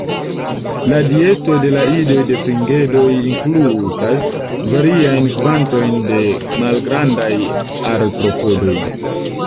La dieto de la idoj de Fringedoj inkludas variajn kvantojn de malgrandaj artropodoj.